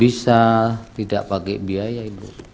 bisa tidak pakai biaya ibu